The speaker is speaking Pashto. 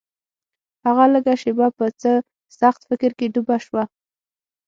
هغه لږه شېبه په څه سخت فکر کې ډوبه شوه.